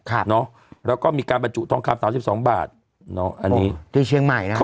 ครับเนอะแล้วก็มีการบรรจุทองคำสามสิบสองบาทเนอะอันนี้ที่เชียงใหม่นะฮะ